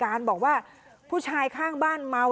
และพูดลาก่อนแล้ว